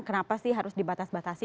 kenapa sih harus dibatas batasi